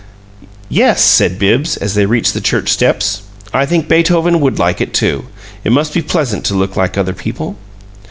"Yes," said Bibbs, as they reached the church steps. "I think Beethoven would like it, too. It must be pleasant to look like other people."